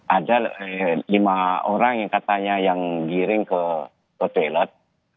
ada lima orang yang katanya yang giring ke toilet